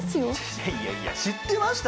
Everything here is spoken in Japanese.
いやいやいや知ってましたから。